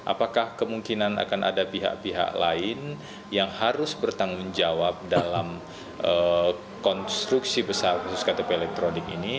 apakah kemungkinan akan ada pihak pihak lain yang harus bertanggung jawab dalam konstruksi besar khusus ktp elektronik ini